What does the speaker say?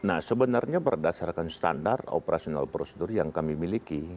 nah sebenarnya berdasarkan standar operasional prosedur yang kami miliki